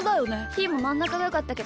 ひーもまんなかがよかったけど。